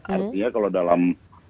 artinya kalau dalam